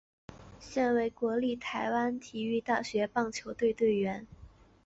现为国立台湾体育大学棒球队队员。